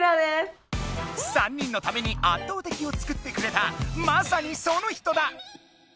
３人のために「圧倒的」を作ってくれたまさにその人だ！